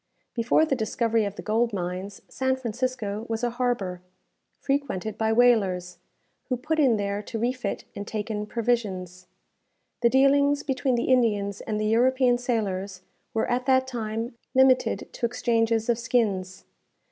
Before the discovery of the gold mines, San Francisco was a harbour frequented by whalers, who put in there to refit and take in provisions. The dealings between the Indians and the European sailors were at that time limited to exchanges of skins.